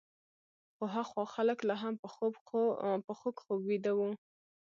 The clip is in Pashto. خو هخوا خلک لا هم په خوږ خوب ویده وو.